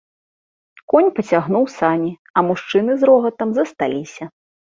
Конь пацягнуў сані, а мужчыны з рогатам засталіся.